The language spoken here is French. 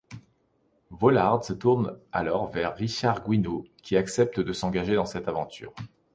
Vollard se tourne alors vers Richard Guino, qui accepte de s'engager dans cette aventure.